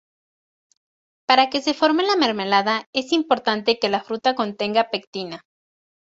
Para que se forme la mermelada es importante que la fruta contenga pectina.